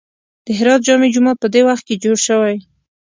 د هرات جامع جومات په دې وخت کې جوړ شوی.